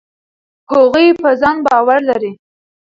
هغوی په ځان باور لري.